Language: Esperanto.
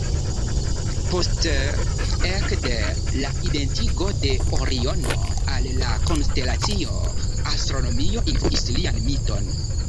Poste, ekde la identigo de Oriono al la konstelacio, astronomio influis lian miton.